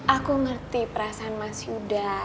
aku ngerti perasaan mas yuda